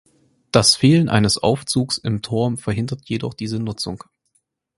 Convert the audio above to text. Das Fehlen eines Aufzugs im Turm verhindert jedoch diese Nutzung.